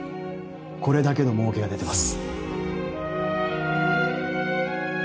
これだけのもうけが出てます